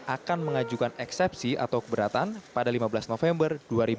akan mengajukan eksepsi atau keberatan pada lima belas november dua ribu dua puluh